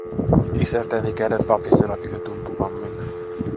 Isäntäni kädet vapisevat yhä tuntuvammin.